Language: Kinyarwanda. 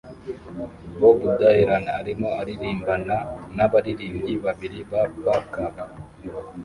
bob dylan arimo aririmbana nabaririmbyi babiri ba backup